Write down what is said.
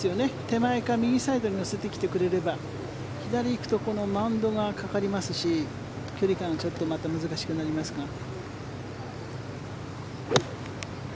手前か右サイドに乗せてきてくれれば左に行くとこのマウンドがかかりますし距離感がちょっとまた難しくなりますから。